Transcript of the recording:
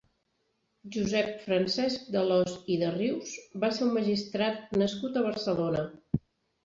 Josep Francesc d'Alòs i de Rius va ser un magistrat nascut a Barcelona.